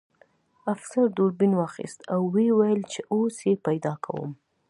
افسر دوربین واخیست او ویې ویل چې اوس یې پیدا کوم